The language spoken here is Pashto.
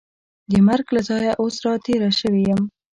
د مرګ له ځایه اوس را تېره شوې یم.